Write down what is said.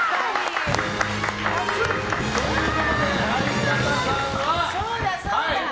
ということで、相方さんは。